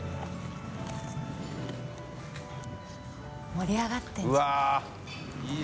盛り上がってるんじゃない？